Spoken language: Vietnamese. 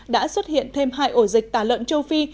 đã xuất hiện thêm hai ổ dịch tả lợn châu phi